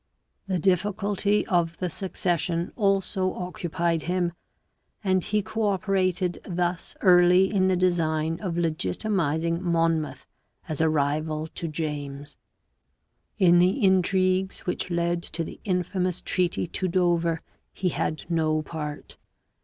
The difficulty of the suc cession also occupied him, and he co operated thus early in the design of legitimizing Monmouth as a rival to James. In the intrigues which led to the infamous treaty to Dover he had no part.